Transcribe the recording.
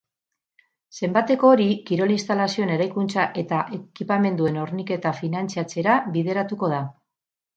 Zenbateko hori kirol-instalazioen eraikuntza eta ekipamenduen horniketa finantzatzera bideratuko da.